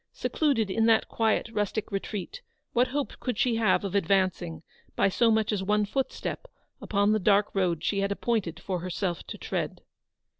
Secluded in that quiet rustic retreat, what hope could she have of advancing, by so much as one footstep, upon the dark road she had appointed for herself to tread